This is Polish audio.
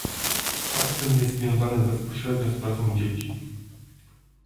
Fakt ten jest związany bezpośrednio z pracą dzieci